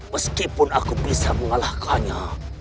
meskipun aku bisa mengalahkannya